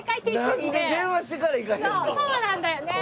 そうなんだよね。